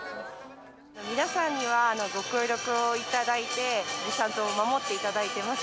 皆さんには、ご協力をいただいて、ディスタンスを守っていただいています。